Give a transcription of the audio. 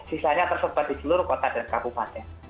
sisanya tersebar di seluruh kota dan kabupaten